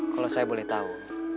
kalau saya boleh tahu